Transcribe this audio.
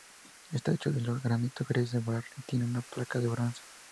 Está hecho de luz granito gris de Barre y tiene una placa de bronce.